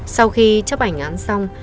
sau khi chấp ảnh án xong